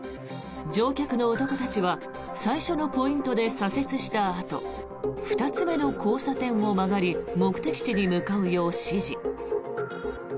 乗客の男たちは最初のポイントで左折したあと２つ目の交差点を曲がり目的地に向かうよう指示。